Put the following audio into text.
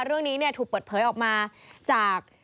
เรื่องนี้ถูกเปิดเผยออกมาจาก